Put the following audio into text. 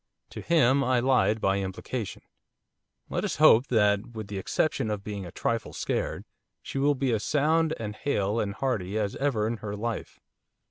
To him I lied by implication. 'Let us hope that, with the exception of being a trifle scared, she will be as sound and hale and hearty as ever in her life.